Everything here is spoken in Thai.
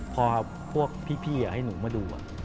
พอพวกพี่ให้หนูมาดู